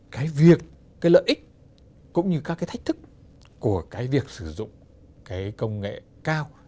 cái việc cái lợi ích cũng như các cái thách thức của cái việc sử dụng cái công nghệ cao